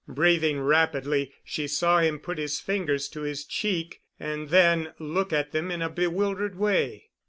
Breathing rapidly, she saw him put his fingers to his cheek and then look at them in a bewildered way.